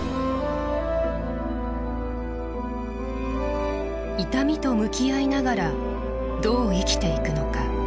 痛みと向き合いながらどう生きていくのか。